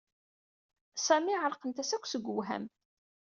Sami ɛerqent-as akk seg uwham.